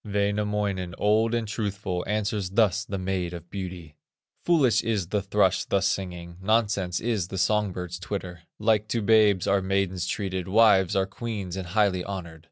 '" Wainamoinen, old and truthful, Answers thus the Maid of Beauty: "Foolish is the thrush thus singing, Nonsense is the song bird's twitter; Like to babes are maidens treated, Wives are queens and highly honored.